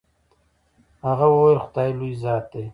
هغه وويل خداى لوى ذات دې.